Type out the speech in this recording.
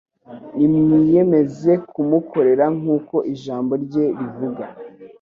Nimwiyemeze kumukorera nk'uko ijambo rye rivuga,